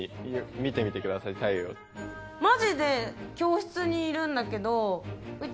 マジで教室にいるんだけどうち